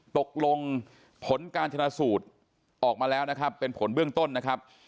ตกลงผลการชนะสูตรออกมาแล้วนะครับเป็นผลเบื้องต้นนะครับ